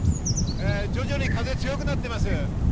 徐々に風が強くなってます。